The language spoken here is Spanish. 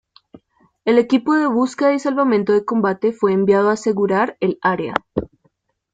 El equipo de búsqueda y salvamento de combate fue enviado a asegurar el área.